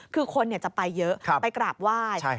คือคนจะไปเยอะไปกราบไหว้